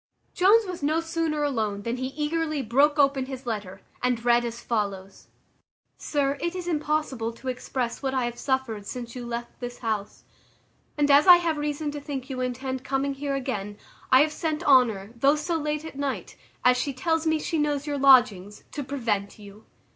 Jones was no sooner alone than he eagerly broke open his letter, and read as follows: "Sir, it is impossible to express what I have suffered since you left this house; and as I have reason to think you intend coming here again, I have sent Honour, though so late at night, as she tells me she knows your lodgings, to prevent you.